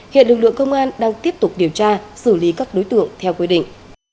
hiện lực lượng công an đang tiếp tục điều tra xử lý các đối tượng theo quy định